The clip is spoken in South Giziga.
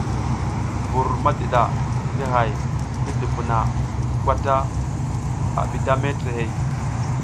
Mbur madiɗa ngi hay ngi dubuna gwata a bi da metrey,